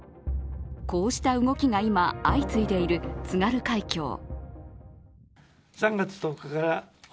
こうした動きが今相次いでいる、津軽海峡。